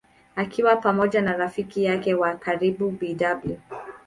Akiwa pamoja na rafiki yake wa karibu Bw.